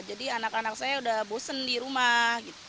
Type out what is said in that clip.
jadi anak anak saya sudah bosan di rumah